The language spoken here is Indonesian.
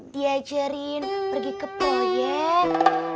diajarin pergi ke proyek